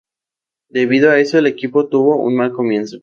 Debido a eso el equipo tuvo un mal comienzo.